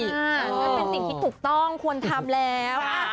นั่นเป็นสิ่งที่ถูกต้องควรทำแล้ว